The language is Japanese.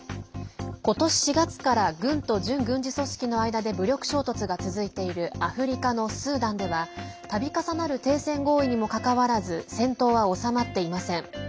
今年４月から軍と準軍事組織の間で武力衝突が続いているアフリカのスーダンではたび重なる停戦合意にもかかわらず戦闘は収まっていません。